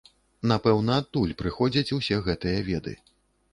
Напэўна, адтуль прыходзяць усе гэтыя веды.